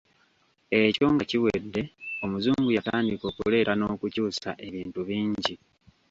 Ekyo nga kiwedde Omuzungu yatandika okuleeta n’okukyusa ebintu bingi.